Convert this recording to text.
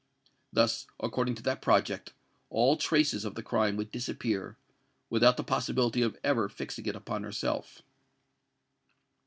Thus, according to that project, all traces of the crime would disappear, without the possibility of ever fixing it upon herself.